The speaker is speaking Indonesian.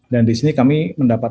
dan disini kami mendapat